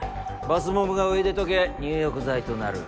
バスボムがお湯で溶け入浴剤となる。